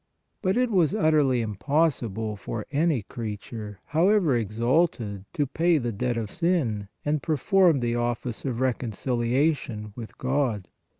But it was THE REDEMPTION 189 utterly impossible for any creature, however exalted, to pay the debt of sin and perform the office of reconciliation with God.